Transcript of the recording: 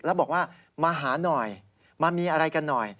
แล้วบอกว่ามาหาหน่อยมามีอะไรกันหน่อย